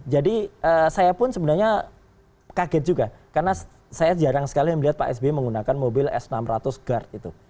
jadi saya pun sebenarnya kaget juga karena saya jarang sekali melihat pak s b menggunakan mobil s enam ratus guard itu